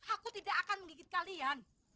aku tidak akan menggigit kalian